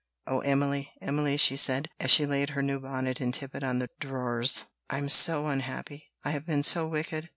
"Oh, Emily, Emily!" she said, as she laid her new bonnet and tippet on the drawers, "I am so unhappy; I have been so wicked!